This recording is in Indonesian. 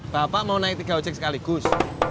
bapak mau naik tiga ojek sekaligus